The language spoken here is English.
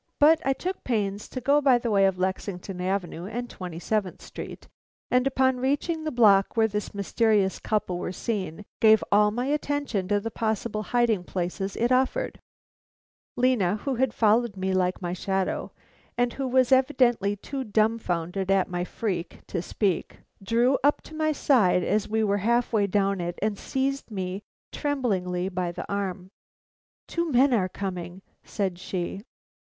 But I took pains to go by the way of Lexington Avenue and Twenty seventh Street, and upon reaching the block where this mysterious couple were seen, gave all my attention to the possible hiding places it offered. Lena, who had followed me like my shadow, and who was evidently too dumfounded at my freak to speak, drew up to my side as we were half way down it and seized me tremblingly by the arm. "Two men are coming," said she.